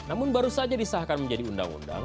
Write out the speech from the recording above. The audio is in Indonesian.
namun baru saja disahkan menjadi undang undang